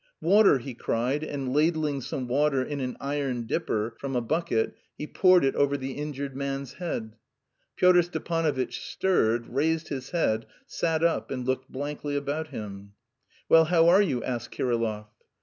"Water!" he cried, and ladling some water in an iron dipper from a bucket, he poured it over the injured man's head. Pyotr Stepanovitch stirred, raised his head, sat up, and looked blankly about him. "Well, how are you?" asked Kirillov.